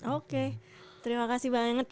oke terima kasih banget